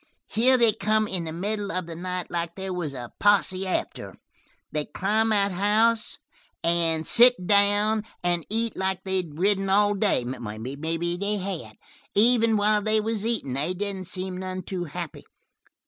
Here they come in the middle of the night like there was a posse after 'em. They climb that house and sit down and eat like they'd ridden all day. Maybe they had. Even while they was eatin' they didn't seem none too happy.